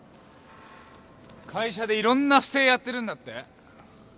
会社でいろんな不正やってるんだって？